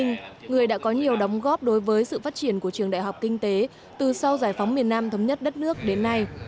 nhưng người đã có nhiều đóng góp đối với sự phát triển của trường đại học kinh tế từ sau giải phóng miền nam thống nhất đất nước đến nay